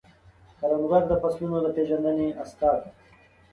کروندګر د فصلونو د پیژندنې استاد دی